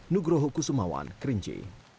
nugroho kusumawan kerinci